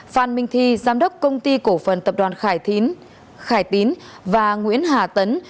phan minh thi giám đốc công ty cổ phần tập đoàn khải tín và nguyễn hà tấn